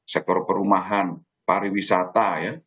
sektor perumahan pariwisata ya